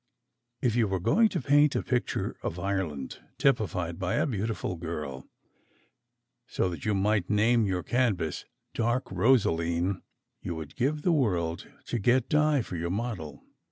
If you were going to paint a picture of Ireland, typified by a beautiful girl, so that you might name your canvas "Dark Rosaleen," you would give the world to get Di for your model.